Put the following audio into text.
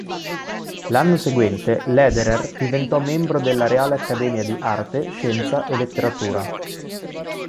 L'anno seguente Lederer diventò membro della Reale Accademia di arte, scienza e letteratura.